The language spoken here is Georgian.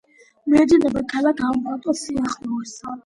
მიედინება ქალაქ ამბატოს სიახლოვეს.